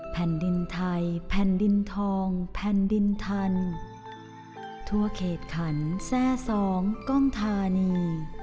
แผ่นดินไทยแผ่นดินทองแผ่นดินทันทั่วเขตขันแทร่สองกล้องธานี